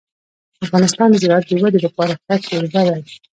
افغانستان د زراعت د ودې لپاره ښه کوربه دی.